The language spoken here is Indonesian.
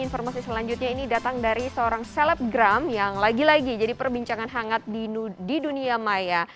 informasi selanjutnya ini datang dari seorang selebgram yang lagi lagi jadi perbincangan hangat di dunia maya